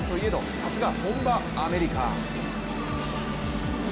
さすが本場アメリカ。